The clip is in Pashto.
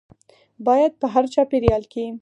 باید په هر چاپیریال کې